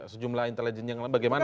sejumlah intelijen yang lain bagaimana